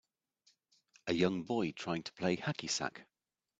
A young boy trying to play hacky sack.